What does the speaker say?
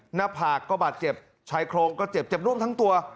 หน้าผากก็บาดเจ็บชายโครงก็เจ็บเจ็บร่วมทั้งตัว